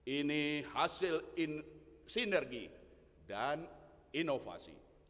ini hasil sinergi dan inovasi